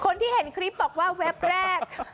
คนที่เห็นคลิปบอกว่าแวบแรก